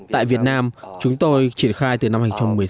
tại việt nam chúng tôi triển khai từ năm hai nghìn một mươi sáu